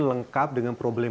lengkap dengan proses